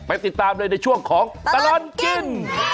ติดตามเลยในช่วงของตลอดกิน